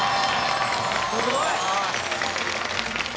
すごい。